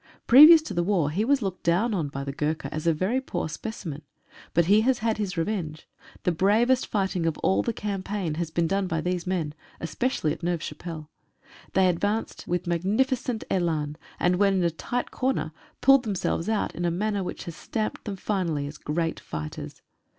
Previous to the war he was looked down on by the Gurkha as a very poor specimen. But he has had his revenge. The bravest fighting of all the campaign has been done by these men, especially at Neuve Chapelle. They ad vanced with magnificent elan, and when in a tight corner pulled themselves out in a manner which has stamped them finally as great fighters.